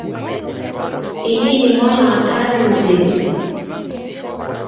Ini ni mwana wa kaw'i mzedu.